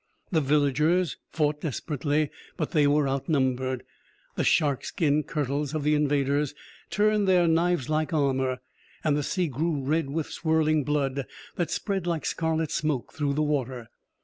The villagers fought desperately, but they were outnumbered. The shark skin kirtles of the invaders turned their knives like armor, and the sea grew red with swirling blood that spread like scarlet smoke through the water.